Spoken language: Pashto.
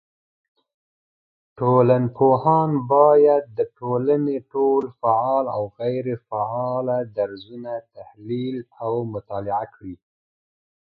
ټولنپوهان بايد د ټولني ټول فعال او غيري فعاله درځونه تحليل او مطالعه کړي